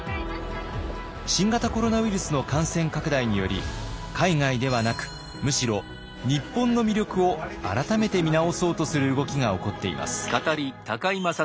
新型コロナウイルスの感染拡大により海外ではなくむしろ日本の魅力を改めて見直そうとする動きが起こっています。